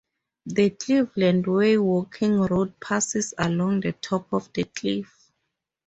The Cleveland Way walking route passes along the top of the cliff.